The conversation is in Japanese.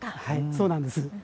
そうなんです。